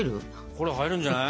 これ入るんじゃない？